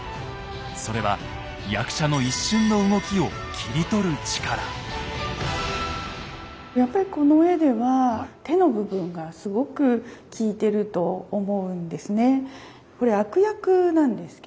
それは役者のやっぱりこの絵では手の部分がすごく効いてると思うんですね。